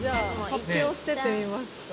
発表してってみますか。